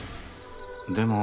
でも。